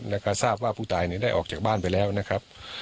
แล้วก็ทราบว่าผู้ตายได้ออกจากบ้านไปแล้วนะครับ